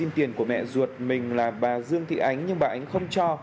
tiền của mẹ ruột mình là bà dương thị ánh nhưng bà ánh không cho